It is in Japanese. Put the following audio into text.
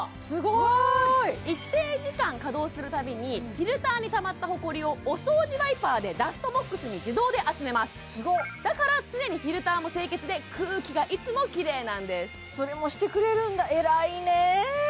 すごーい一定時間稼働する度にフィルターにたまったホコリをお掃除ワイパーでダストボックスに自動で集めますだから常にフィルターも清潔で空気がいつもきれいなんですそれもしてくれるんだ偉いね